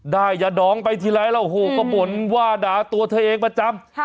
ยาดองไปทีไรแล้วโหก็บ่นว่าด่าตัวเธอเองประจำ